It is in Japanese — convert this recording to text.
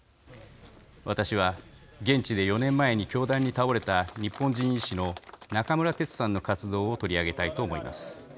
私は、現地で４年前に凶弾に倒れた日本人医師の中村哲さんの活動を取り上げたいと思います。